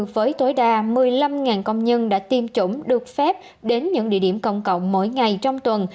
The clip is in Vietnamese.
với tối đa một mươi năm công nhân đã tiêm chủng được phép đến những địa điểm công cộng mỗi ngày trong tuần